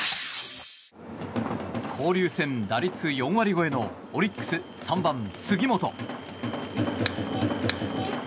交流戦打率４割超えのオリックス３番、杉本。